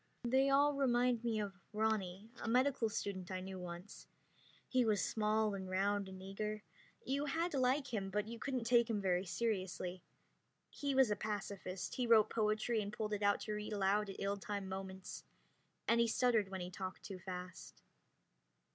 They all remind me of Ronny, a medical student I knew once. He was small and round and eager. You had to like him, but you couldn't take him very seriously. He was a pacifist; he wrote poetry and pulled it out to read aloud at ill timed moments; and he stuttered when he talked too fast.